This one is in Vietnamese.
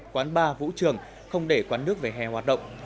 quán bar vũ trường không để quán nước về hè hoạt động